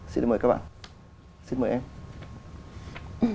xin mời các bạn xin mời em